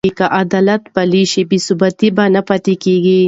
که عدالت پلی شي، بې ثباتي نه پاتې کېږي.